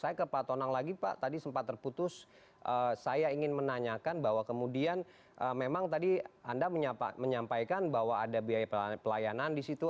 saya ke pak tonang lagi pak tadi sempat terputus saya ingin menanyakan bahwa kemudian memang tadi anda menyampaikan bahwa ada biaya pelayanan di situ